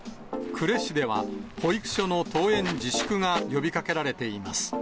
呉市では、保育所の登園自粛が呼びかけられています。